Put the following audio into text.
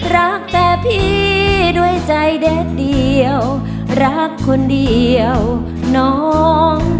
รักแต่พี่ด้วยใจแดดเดียวรักคนเดียวน้อง